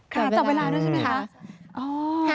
จับเวลาด้วยใช่ไหมคะ